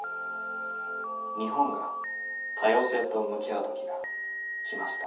日本が多様性と向き合う時が来ました。